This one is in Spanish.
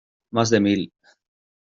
¡ más de mil!